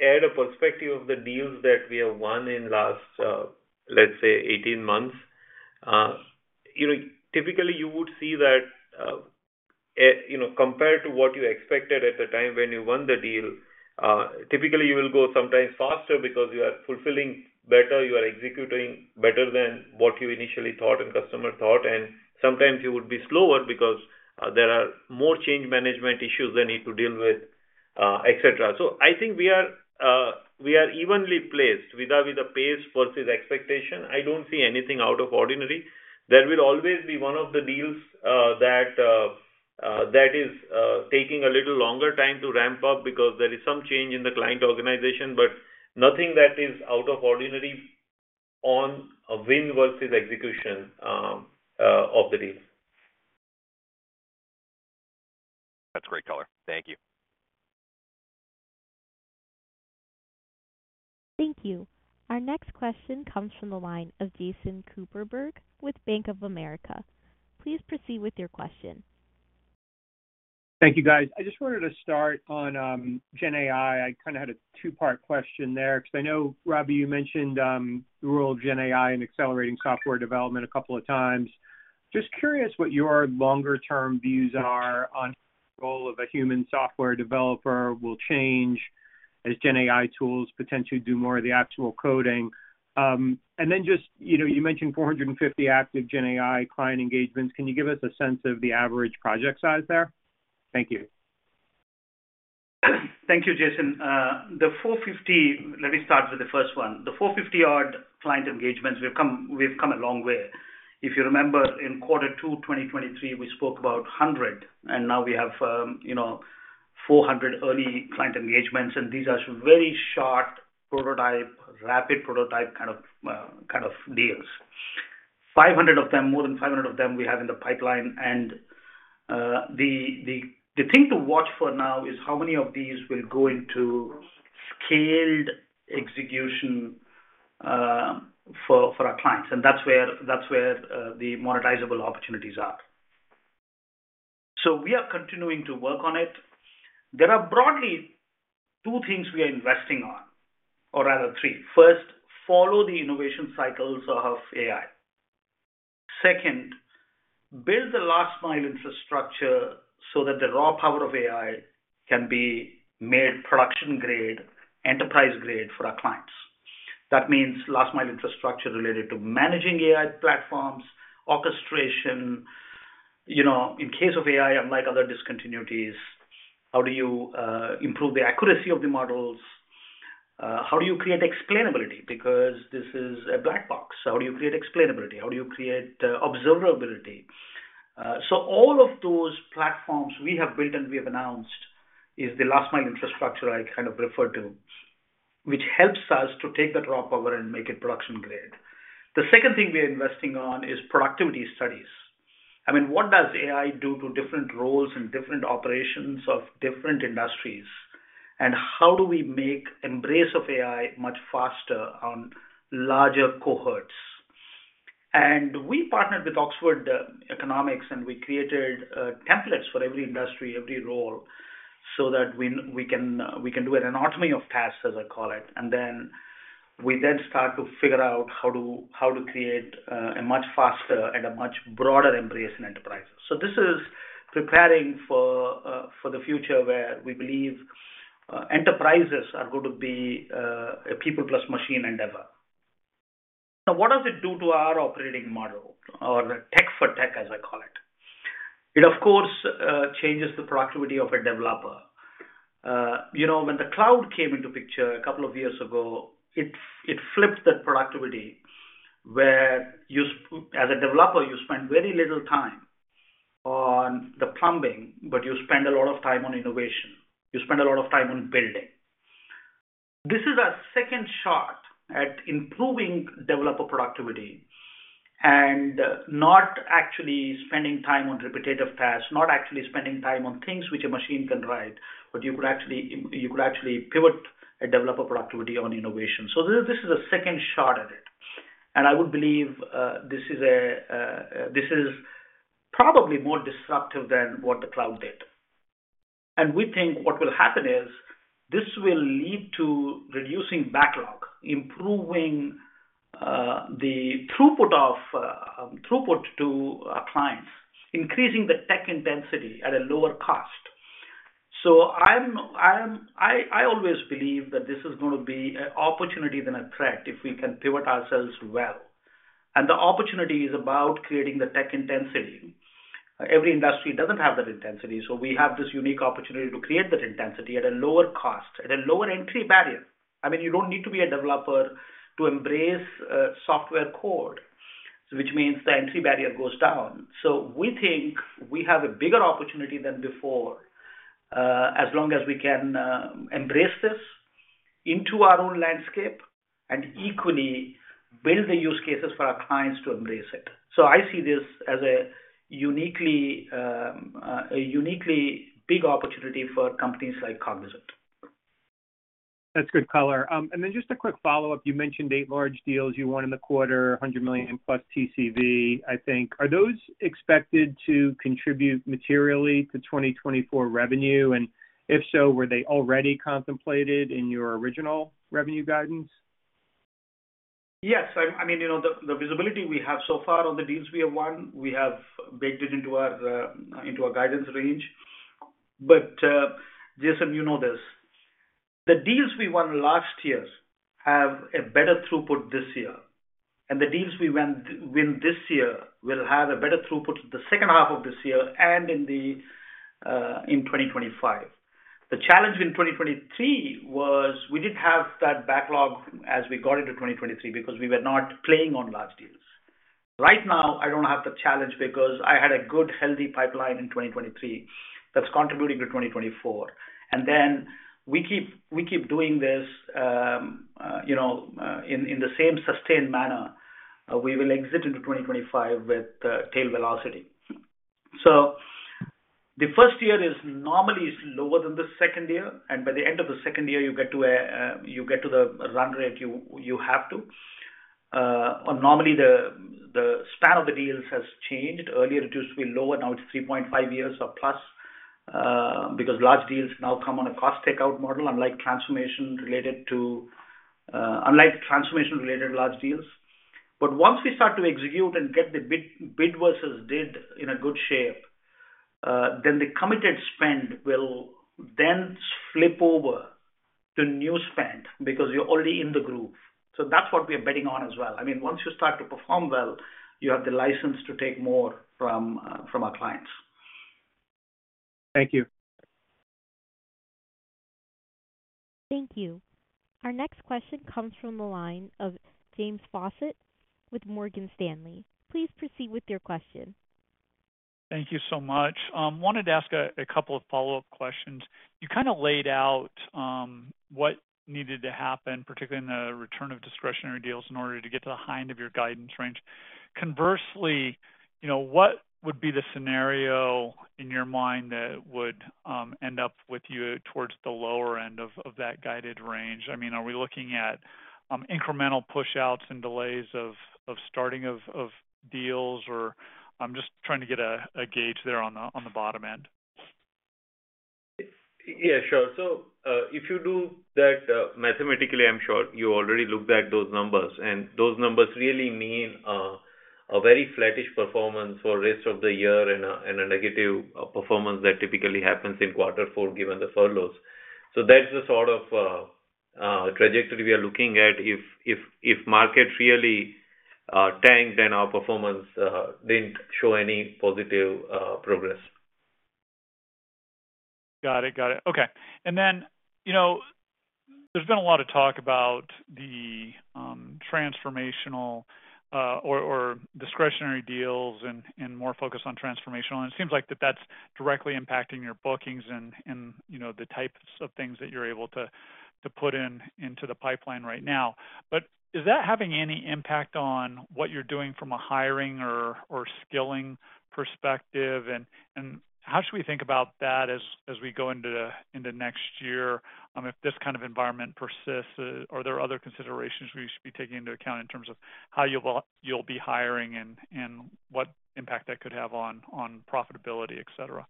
Speaker 4: add a perspective of the deals that we have won in last, let's say, 18 months. You know, typically, you would see that, you know, compared to what you expected at the time when you won the deal, typically you will go sometimes faster because you are fulfilling better, you are executing better than what you initially thought and customer thought. And sometimes you would be slower because there are more change management issues they need to deal with, et cetera. So I think we are, we are evenly placed with the, with the pace versus expectation. I don't see anything out of ordinary. There will always be one of the deals that is taking a little longer time to ramp up because there is some change in the client organization, but nothing that is out of ordinary on a win versus execution of the deal.
Speaker 8: That's great, Color. Thank you.
Speaker 1: Thank you. Our next question comes from the line of Jason Kupferberg with Bank of America. Please proceed with your question.
Speaker 9: Thank you, guys. I just wanted to start on Gen AI. I kind of had a two-part question there, because I know, Ravi, you mentioned the role of Gen AI in accelerating software development a couple of times. Just curious what your longer-term views are on the role of a human software developer will change as Gen AI tools potentially do more of the actual coding. And then just, you know, you mentioned 450 active Gen AI client engagements. Can you give us a sense of the average project size there? Thank you.
Speaker 3: Thank you, Jason. The 450 odd client engagements, we've come, we've come a long way. If you remember, in quarter two, 2023, we spoke about 100, and now we have, you know, 400 early client engagements, and these are very short prototype, rapid prototype kind of, kind of deals. 500 of them, more than 500 of them we have in the pipeline, and the thing to watch for now is how many of these will go into scaled execution, for our clients, and that's where, that's where the monetizable opportunities are. So we are continuing to work on it. There are broadly two things we are investing on, or rather, three. First, follow the innovation cycles of AI. Second, build the last mile infrastructure so that the raw power of AI can be made production-grade, enterprise-grade for our clients. That means last mile infrastructure related to managing AI platforms, orchestration. You know, in case of AI, unlike other discontinuities, how do you improve the accuracy of the models? How do you create explainability? Because this is a black box, so how do you create explainability? How do you create observability? So all of those platforms we have built and we have announced is the last mile infrastructure I kind of referred to, which helps us to take the raw power and make it production-grade. The second thing we are investing on is productivity studies. I mean, what does AI do to different roles and different operations of different industries? And how do we make embrace of AI much faster on larger cohorts? And we partnered with Oxford Economics, and we created templates for every industry, every role, so that we can do an autonomy of tasks, as I call it. And then we start to figure out how to create a much faster and a much broader embrace in enterprises. So this is preparing for the future where we believe enterprises are going to be a people plus machine endeavor. Now, what does it do to our operating model or Tech for Tech, as I call it? It, of course, changes the productivity of a developer. You know, when the cloud came into picture a couple of years ago, it flipped that productivity, where you as a developer, you spend very little time on the plumbing, but you spend a lot of time on innovation. You spend a lot of time on building. This is our second shot at improving developer productivity and not actually spending time on repetitive tasks, not actually spending time on things which a machine can write, but you could actually, you could actually pivot a developer productivity on innovation. So this is, this is a second shot at it, and I would believe, this is probably more disruptive than what the cloud did. And we think what will happen is, this will lead to reducing backlog, improving, the throughput of, throughput to, clients, increasing the tech intensity at a lower cost. So I'm, I'm-- I always believe that this is gonna be an opportunity than a threat, if we can pivot ourselves well. And the opportunity is about creating the tech intensity. Every industry doesn't have that intensity, so we have this unique opportunity to create that intensity at a lower cost, at a lower entry barrier. I mean, you don't need to be a developer to embrace software code, which means the entry barrier goes down. So we think we have a bigger opportunity than before, as long as we can embrace this into our own landscape and equally build the use cases for our clients to embrace it. So I see this as a uniquely, a uniquely big opportunity for companies like Cognizant.
Speaker 9: That's good color. And then just a quick follow-up. You mentioned 8 large deals you won in the quarter, $100 million+ TCV, I think. Are those expected to contribute materially to 2024 revenue? And if so, were they already contemplated in your original revenue guidance?
Speaker 3: Yes, I mean, you know, the visibility we have so far on the deals we have won, we have baked it into our guidance range. But, Jason, you know this, the deals we won last year have a better throughput this year, and the deals we win this year will have a better throughput the second half of this year and in 2025. The challenge in 2023 was we didn't have that backlog as we got into 2023 because we were not playing on large deals. Right now, I don't have the challenge because I had a good, healthy pipeline in 2023, that's contributing to 2024. Then we keep doing this, you know, in the same sustained manner, we will exit into 2025 with tail velocity. So the first year is normally lower than the second year, and by the end of the second year, you get to the run rate you have to. Normally, the span of the deals has changed. Earlier, it used to be lower, now it's 3.5 years or plus, because large deals now come on a cost takeout model, unlike transformation-related large deals. But once we start to execute and get the bid versus did in a good shape, then the committed spend will then flip over to new spend because you're already in the groove. That's what we are betting on as well. I mean, once you start to perform well, you have the license to take more from our clients.
Speaker 9: Thank you.
Speaker 1: Thank you. Our next question comes from the line of James Faucette with Morgan Stanley. Please proceed with your question.
Speaker 10: Thank you so much. Wanted to ask a couple of follow-up questions. You kind of laid out what needed to happen, particularly in the return of discretionary deals, in order to get to the high end of your guidance range. Conversely, you know, what would be the scenario in your mind that would end up with you towards the lower end of that guided range? I mean, are we looking at incremental push-outs and delays of starting of deals? Or I'm just trying to get a gauge there on the bottom end.
Speaker 3: Yeah, sure. So, if you do that mathematically, I'm sure you already looked at those numbers, and those numbers really mean a very flattish performance for rest of the year and a negative performance that typically happens in quarter four, given the furloughs. So that's the sort of trajectory we are looking at. If market really tanked and our performance didn't show any positive progress.
Speaker 10: Got it. Got it. Okay. And then, you know, there's been a lot of talk about the transformational or discretionary deals and more focus on transformational, and it seems like that's directly impacting your bookings and, you know, the types of things that you're able to put into the pipeline right now. But is that having any impact on what you're doing from a hiring or skilling perspective? And how should we think about that as we go into next year if this kind of environment persists? Are there other considerations we should be taking into account in terms of how you will—you'll be hiring and what impact that could have on profitability, et cetera?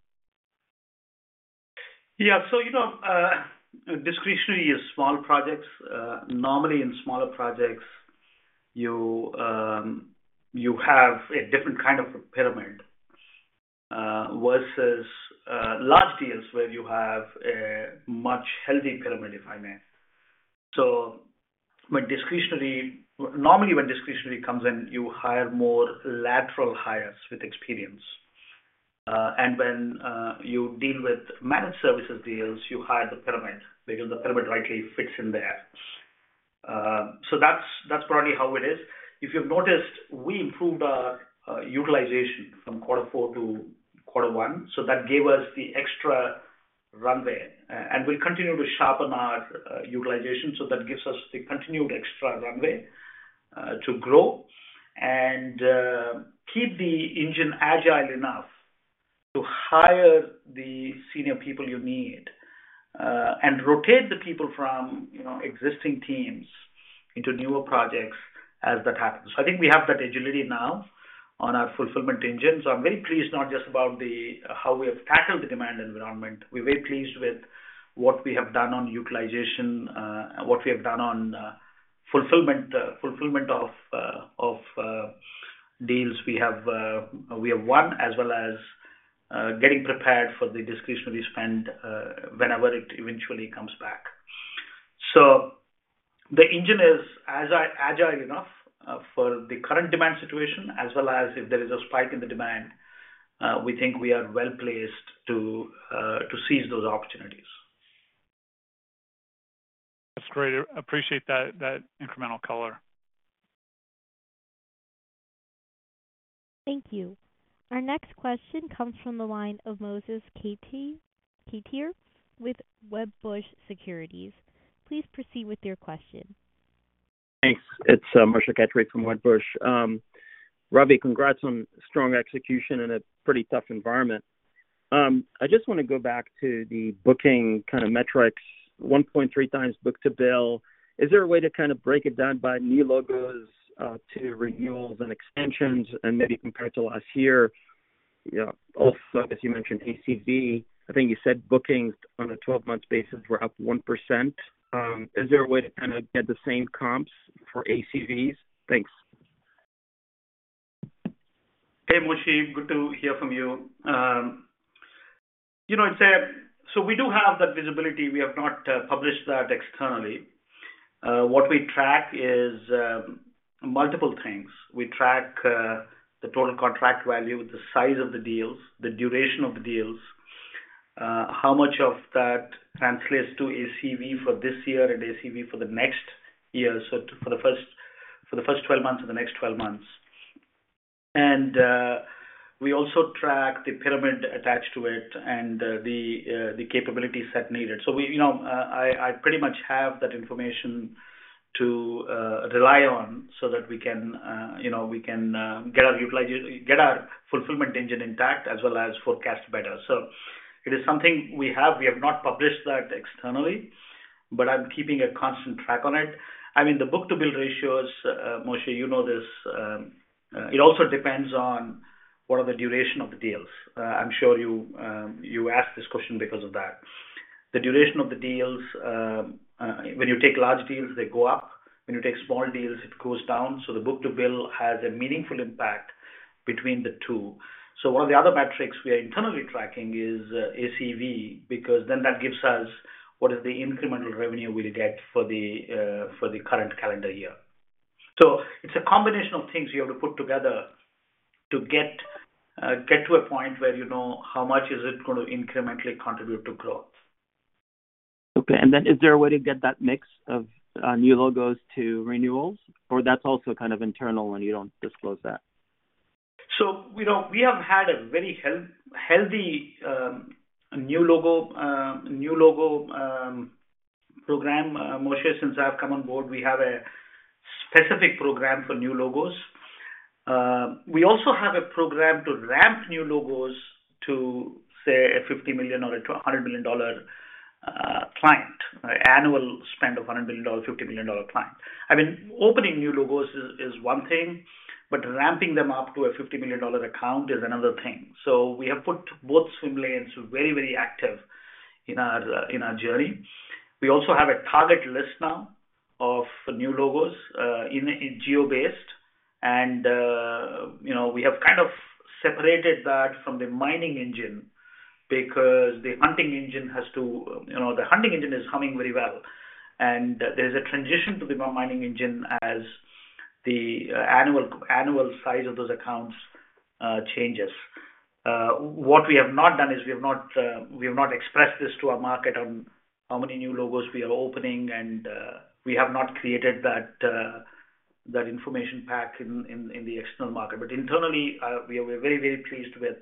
Speaker 3: Yeah. So, you know, discretionary is small projects. Normally in smaller projects, you have a different kind of pyramid, versus large deals, where you have a much healthy pyramid, if I may. Normally, when discretionary comes in, you hire more lateral hires with experience. And when you deal with managed services deals, you hire the pyramid because the pyramid rightly fits in there. So that's, that's probably how it is. If you've noticed, we improved our utilization from quarter four to quarter one, so that gave us the extra runway. And we'll continue to sharpen our utilization, so that gives us the continued extra runway to grow and keep the engine agile enough to hire the senior people you need and rotate the people from, you know, existing teams into newer projects as that happens. So I think we have that agility now on our fulfillment engine. So I'm very pleased, not just about the how we have tackled the demand environment. We're very pleased with what we have done on utilization and what we have done on fulfillment of deals we have won, as well as getting prepared for the discretionary spend whenever it eventually comes back. The engine is as agile enough for the current demand situation, as well as if there is a spike in the demand. We think we are well-placed to seize those opportunities.
Speaker 10: That's great. I appreciate that, that incremental color.
Speaker 1: Thank you. Our next question comes from the line of Moshe Katri with Wedbush Securities. Please proceed with your question.
Speaker 11: Thanks. It's Moshe Katri from Wedbush. Ravi, congrats on strong execution in a pretty tough environment. I just want to go back to the booking kind of metrics, 1.3x book-to-bill. Is there a way to kind of break it down by new logos to renewals and extensions and maybe compared to last year? You know, also, as you mentioned, ACV, I think you said bookings on a 12-month basis were up 1%. Is there a way to kind of get the same comps for ACVs? Thanks.
Speaker 3: Hey, Moshe, good to hear from you. You know, I'd say, so we do have that visibility. We have not published that externally. What we track is multiple things. We track the total contract value, the size of the deals, the duration of the deals, how much of that translates to ACV for this year and ACV for the next year. So for the first 12 months and the next 12 months. And we also track the pyramid attached to it and the capability set needed. So we, you know, I pretty much have that information to rely on so that we can get our fulfillment engine intact as well as forecast better. So it is something we have. We have not published that externally, but I'm keeping a constant track on it. I mean, the book to bill ratios, Moshe, you know this, it also depends on what are the duration of the deals. I'm sure you asked this question because of that. The duration of the deals, when you take large deals, they go up. When you take small deals, it goes down. So the book to bill has a meaningful impact between the two. So one of the other metrics we are internally tracking is ACV, because then that gives us what is the incremental revenue we'll get for the, for the current calendar year. So it's a combination of things you have to put together to get to a point where you know how much is it going to incrementally contribute to growth.
Speaker 11: Okay, and then is there a way to get that mix of new logos to renewals? Or that's also kind of internal and you don't disclose that.
Speaker 3: We have had a very healthy new logo program. Moshe, since I've come on board, we have a specific program for new logos. We also have a program to ramp new logos to, say, a $50 million or a $100 million dollar client, annual spend of $100 million, $50 million dollar client. I mean, opening new logos is one thing, but ramping them up to a $50 million dollar account is another thing. So we have put both swim lanes very, very active in our journey. We also have a target list now of new logos in geo-based. And, you know, we have kind of separated that from the mining engine because the hunting engine has to... You know, the hunting engine is hunting very well, and there's a transition to the mining engine as the annual, annual size of those accounts changes. What we have not done is we have not expressed this to our market on how many new logos we are opening, and we have not created that information pack in the external market. But internally, we are very, very pleased with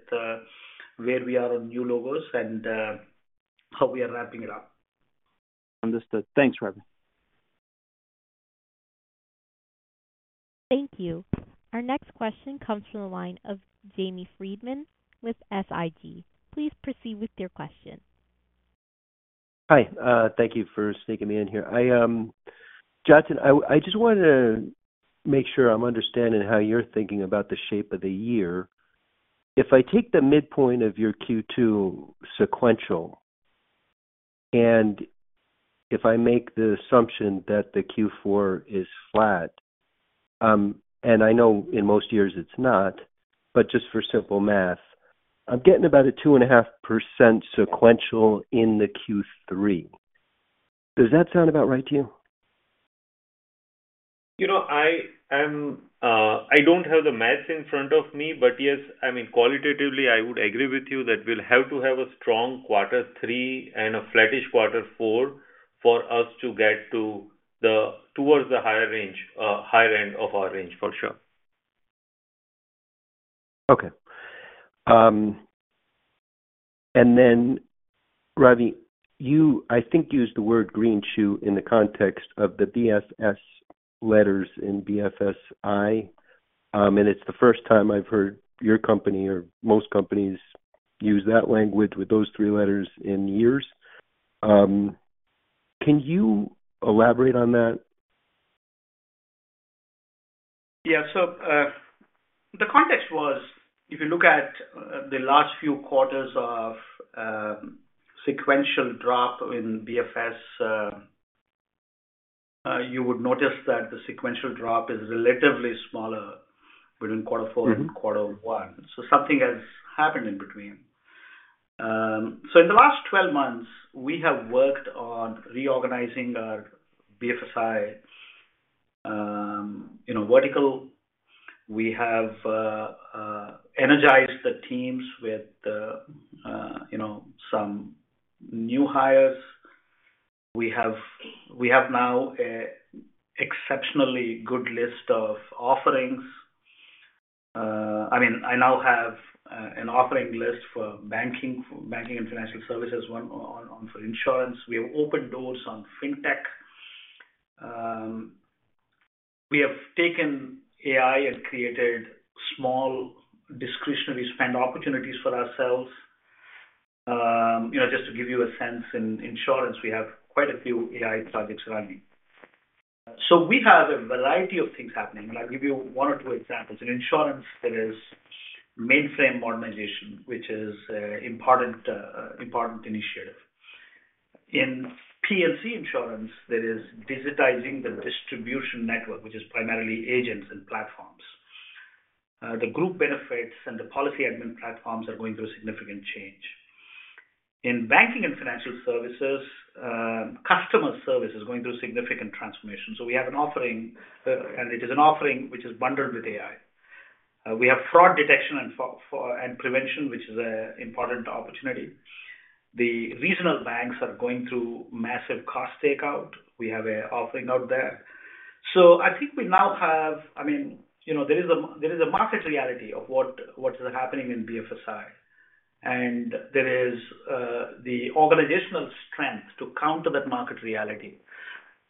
Speaker 3: where we are on new logos and how we are ramping it up.
Speaker 11: Understood. Thanks, Ravi.
Speaker 1: Thank you. Our next question comes from the line of Jamie Friedman with SIG. Please proceed with your question.
Speaker 12: Hi, thank you for sneaking me in here. Hi, Jatin, I just wanted to make sure I'm understanding how you're thinking about the shape of the year. If I take the midpoint of your Q2 sequential, and if I make the assumption that the Q4 is flat, and I know in most years it's not, but just for simple math, I'm getting about a 2.5% sequential in the Q3. Does that sound about right to you?
Speaker 4: You know, I don't have the math in front of me, but yes, I mean, qualitatively, I would agree with you that we'll have to have a strong quarter three and a flattish quarter four for us to get to the, towards the higher range, higher end of our range, for sure.
Speaker 12: Okay. Then, Ravi, you, I think, used the word green shoots in the context of the BFS letters in BFSI. It's the first time I've heard your company or most companies use that language with those three letters in years. Can you elaborate on that?
Speaker 3: Yeah. So, the context was, if you look at, the last few quarters of, sequential drop in BFS, you would notice that the sequential drop is relatively smaller between quarter four-
Speaker 12: Mm-hmm.
Speaker 3: and quarter one. So something has happened in between. So in the last 12 months, we have worked on reorganizing our BFSI, you know, vertical. We have energized the teams with, you know, some new hires. We have now an exceptionally good list of offerings. I mean, I now have an offering list for banking, for banking and financial services, one on for insurance. We have opened doors on fintech. We have taken AI and created small discretionary spend opportunities for ourselves. You know, just to give you a sense, in insurance, we have quite a few AI projects running. So we have a variety of things happening, and I'll give you one or two examples. In insurance, there is mainframe modernization, which is important initiative. In P&C insurance, there is digitizing the distribution network, which is primarily agents and platforms. The group benefits and the policy admin platforms are going through a significant change. In banking and financial services, customer service is going through a significant transformation. So we have an offering, and it is an offering which is bundled with AI. We have fraud detection and fraud prevention, which is an important opportunity. The regional banks are going through massive cost takeout. We have an offering out there. So I think we now have... I mean, you know, there is a market reality of what is happening in BFSI, and there is the organizational strength to counter that market reality.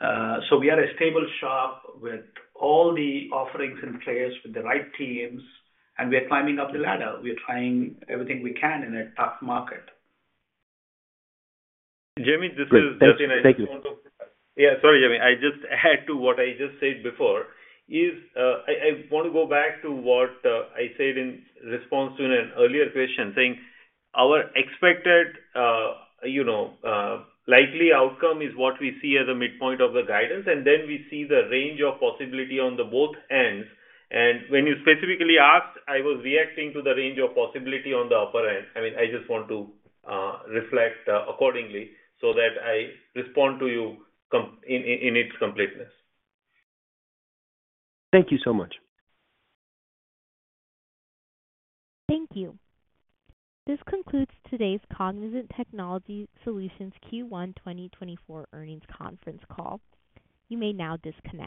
Speaker 3: So we are a stable shop with all the offerings in place, with the right teams, and we are climbing up the ladder. We are trying everything we can in a tough market.
Speaker 4: Jamie, this is Jatin.
Speaker 12: Thank you.
Speaker 4: Yeah, sorry, Jamie. I just add to what I just said before. I want to go back to what I said in response to an earlier question, saying our expected, you know, likely outcome is what we see as a midpoint of the guidance, and then we see the range of possibility on the both ends. And when you specifically asked, I was reacting to the range of possibility on the upper end. I mean, I just want to reflect accordingly, so that I respond to you in its completeness.
Speaker 12: Thank you so much.
Speaker 1: Thank you. This concludes today's Cognizant Technology Solutions Q1 2024 earnings conference call. You may now disconnect.